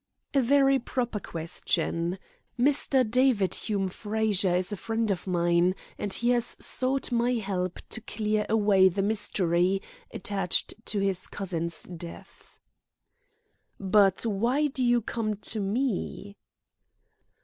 "A very proper question. Mr. David Hume Frazer is a friend of mine, and he has sought my help to clear away the mystery attached to his cousin's death." "But why do you come to me?"